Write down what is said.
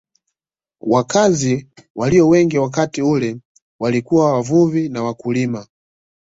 Wakazi walio wengi wakati ule walikuwa wavuvi na wakulima